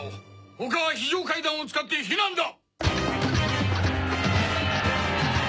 他は非常階段を使って避難だ！